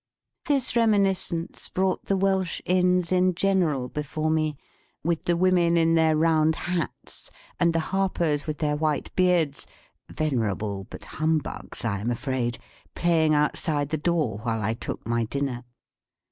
This reminiscence brought the Welsh Inns in general before me; with the women in their round hats, and the harpers with their white beards (venerable, but humbugs, I am afraid), playing outside the door while I took my dinner.